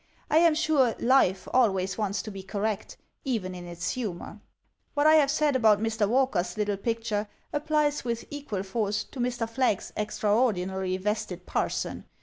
I am sure Life always wants to be correct, even in its humor. What I have said about Mr. Walker's little picture applies with equal force to Mr. Flagg's extraordinarily vested parson.